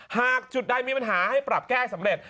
หากจุดใดมีปัญหาให้ปรับแก้สำเร็จ